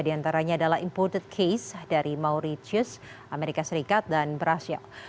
tiga diantaranya adalah imported case dari mauritius amerika serikat dan brazil